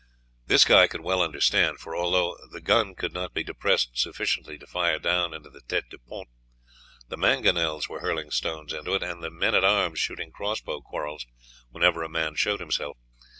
This Guy could well understand, for although the guns could not be depressed sufficiently to fire down into the tête du pont, the mangonels were hurling stones into it, and the men at arms shooting cross bow quarrels whenever a man showed himself.